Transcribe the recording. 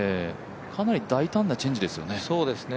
かなり大胆なチェンジですよね。